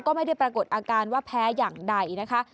ก็ไม่ได้ปรากฏอาการว่าแพ้อย่างใดนะคะ